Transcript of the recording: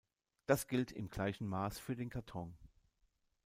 Das gilt im gleichen Maß für den Karton.